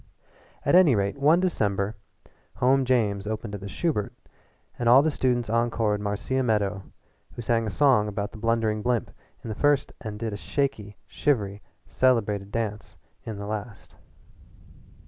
At any rate one December, "Home James" opened at the Shubert, and all the students encored Marcia Meadow, who sang a song about the Blundering Blimp in the first act and did a shaky, shivery, celebrated dance in the last.